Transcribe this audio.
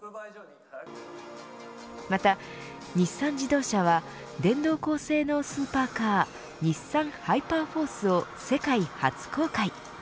また日産自動車は電動高性能スーパーカー日産ハイパーフォースを世界初公開。